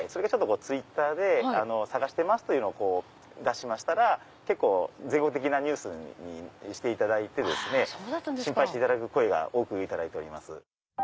ツイッターで探してますと出しましたら全国的なニュースにしていただいて心配していただく声多く頂いております。